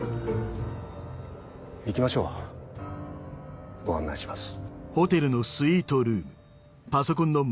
行きましょうご案内します。